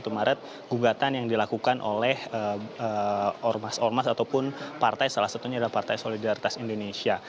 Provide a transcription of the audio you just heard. satu maret gugatan yang dilakukan oleh ormas ormas ataupun partai salah satunya adalah partai solidaritas indonesia